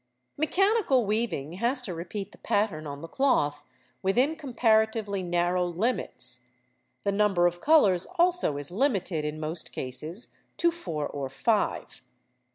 Mechanical weaving has to repeat the pattern on the cloth within comparatively narrow limits; the number of colours also is limited in most cases to four or five.